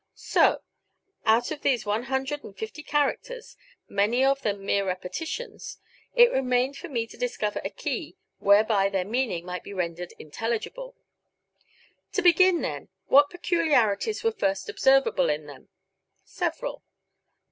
So! out of these one hundred and fifty characters, many of them mere repetitions, it remained for me to discover a key whereby their meaning might be rendered intelligible. To begin, then, what peculiarities were first observable in them? Several.